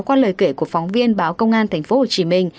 qua lời kể của phóng viên báo công an thái lan